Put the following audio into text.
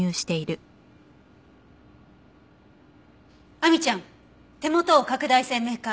亜美ちゃん手元を拡大鮮明化。